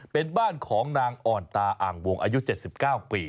เป็นบ้านของนางอ่อนตาอ่างวงอายุ๗๙ปี